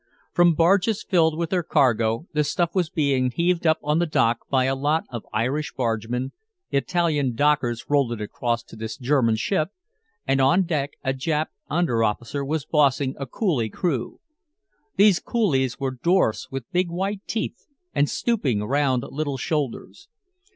From barges filled with her cargo, the stuff was being heaved up on the dock by a lot of Irish bargemen. Italian dockers rolled it across to this German ship, and on deck a Jap under officer was bossing a Coolie crew. These Coolies were dwarfs with big white teeth and stooping, round little shoulders.